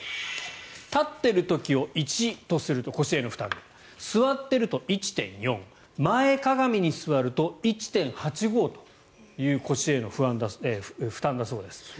立っている時を１とすると腰への負担座っていると１．４前かがみに座ると１．８５という腰への負担だそうです。